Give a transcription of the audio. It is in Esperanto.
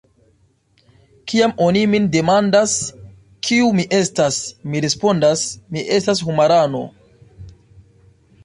Kiam oni min demandas, kiu mi estas, mi respondas: “Mi estas homarano.”